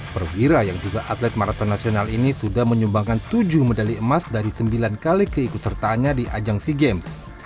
perwira yang juga atlet maraton nasional ini sudah menyumbangkan tujuh medali emas dari sembilan kali keikutsertaannya di ajang sea games